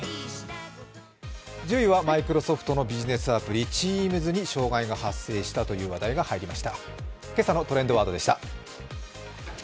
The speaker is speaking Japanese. １０位はマイクロソフトのビジネスアプリ、Ｔｅａｍｓに障害が発生したという話題が入りました。